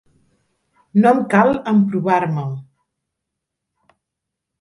No em cal emprovar-me'l.